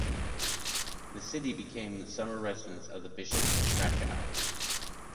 The city became the summer residence of the bishops of Krakow.